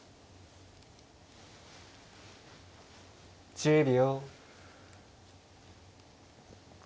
１０秒。